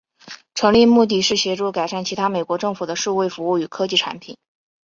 成立目的是协助改善其他美国政府的数位服务与科技产品。